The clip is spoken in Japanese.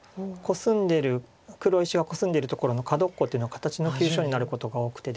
黒石がコスんでるところの角っこっていうのは形の急所になることが多くてですね。